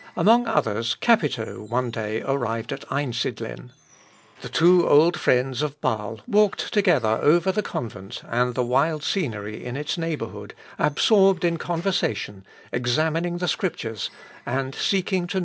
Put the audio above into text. Among others, Capito one day arrived at Einsidlen. The two old friends of Bâle walked together over the convent and the wild scenery in its neighbourhood, absorbed in conversation, examining the Scriptures, and seeking to know the Divine will.